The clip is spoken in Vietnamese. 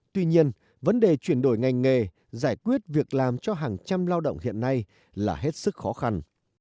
tuy nhiên vấn đề chuyển đổi ngành nghề giải quyết việc làm cho hàng trăm lao động hiện nay là hết sức khó khăn